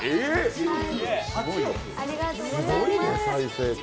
ありがとうございます。